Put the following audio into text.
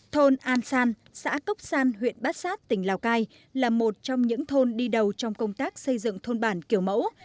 thôn an san xã cốc san huyện bát sát tỉnh lào cai là một trong những thôn đi đầu trong công tác xây dựng thôn bản kiểu mẫu